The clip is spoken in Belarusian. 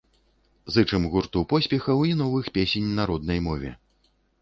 Зычым гурту поспехаў і новых песень на роднай мове!